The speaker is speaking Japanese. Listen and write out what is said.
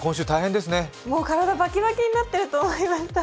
もう体バキバキになってると思います。